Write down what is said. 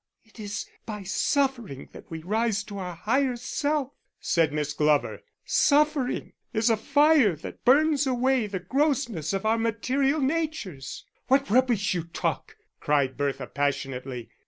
"It is by suffering that we rise to our higher self," said Miss Glover. "Suffering is a fire that burns away the grossness of our material natures." "What rubbish you talk," cried Bertha, passionately.